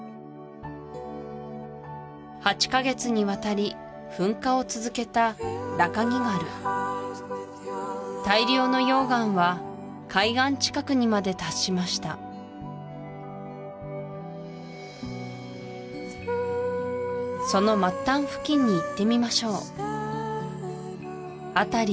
８カ月にわたり噴火を続けたラカギガル大量の溶岩は海岸近くにまで達しましたその末端付近に行ってみましょう辺り